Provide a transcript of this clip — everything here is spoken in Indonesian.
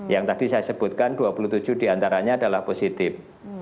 yang tadi saya sebutkan dua puluh tujuh diantaranya adalah positif